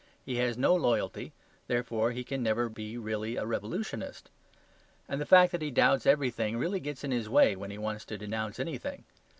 He has no loyalty; therefore he can never be really a revolutionist. And the fact that he doubts everything really gets in his way when he wants to denounce anything.